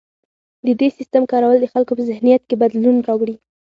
د دې سیستم کارول د خلکو په ذهنیت کې بدلون راوړي.